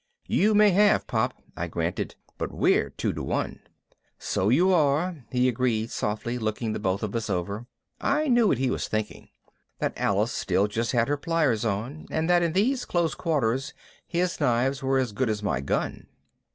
"You may have, Pop," I granted, "but we're two to one." "So you are," he agreed softly, looking the both of us over. I knew what he was thinking that Alice still had just her pliers on and that in these close quarters his knives were as good as my gun.